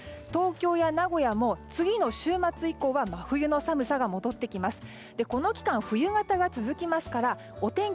東京や名古屋も次の週末以降は真冬の寒さが戻ってきます。